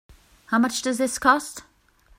How much does this cost?